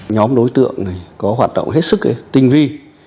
nhóm đối tượng này có hoạt động hết sức tinh vi